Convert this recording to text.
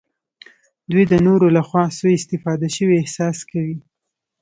دوی د نورو لخوا سوء استفاده شوي احساس کوي.